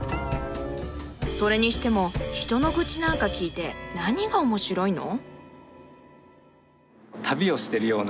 それにしても人の愚痴なんか聞いて何がおもしろいの？